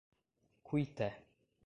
Cuité